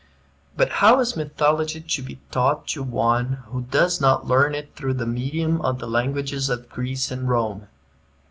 But how is mythology to be taught to one who does not learn it through the medium of the languages of Greece and Rome?